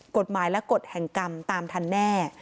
กฎหมายและกฎแห่งกรรมตามทันแน่